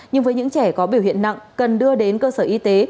nhưng với những trẻ có biểu hiện nặng cần đưa đến cơ sở y tế